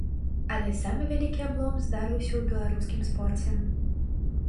Але самы вялікі аблом здарыўся ў беларускім спорце.